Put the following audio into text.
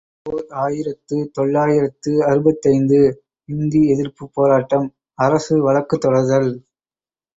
ஓர் ஆயிரத்து தொள்ளாயிரத்து அறுபத்தைந்து ● இந்தி எதிர்ப்புப் போராட்டம், அரசு வழக்கு தொடர்தல்.